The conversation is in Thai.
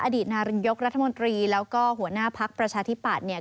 อดีตนายกรัฐมนตรีแล้วก็หัวหน้าภักร์ประชาธิปัตย์